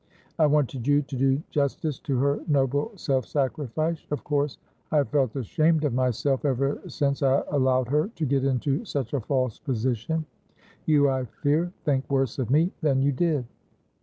I wanted you to do justice to her noble self sacrifice. Of course I have felt ashamed of myself ever since I allowed her to get into such a false position. You, I fear, think worse of me than you did."